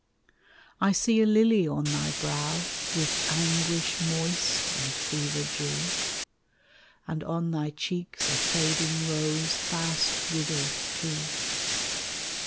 1 see a lily on thy brow With anguish moist and fever dew, And on thy cheeks a fading rose Fast withereth too.